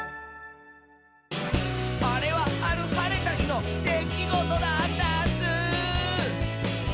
「あれはあるはれたひのできごとだったッスー」